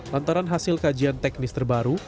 lantaran hasil kajian teknis terbaru